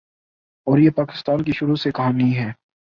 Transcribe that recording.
اور یہ پاکستان کی شروع سے کہانی ہے۔